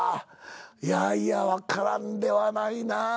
いやいや分からんではないな。